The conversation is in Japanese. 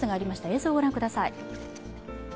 映像を御覧ください。